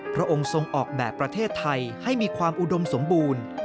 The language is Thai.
พระองค์ทรงออกแบบประเทศไทยให้มีความอุดมสมบูรณ์